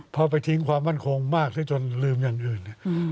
พอไปทิ้งความมั่นคงมากซะจนลืมอย่างอื่น